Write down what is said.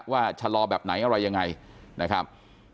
ชะลอแบบไหนอะไรยังไงนะครับ